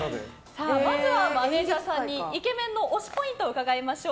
まずはマネジャーさんにイケメンの推しポイントを伺いましょう。